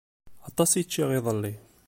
Aṭas i ččiɣ iḍelli.